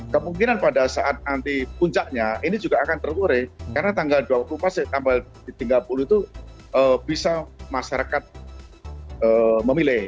kemungkinan pada saat nanti puncaknya ini juga akan terurai karena tanggal tiga puluh itu bisa masyarakat memilih